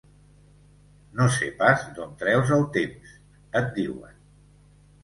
No sé pas d'on treus el temps, et diuen.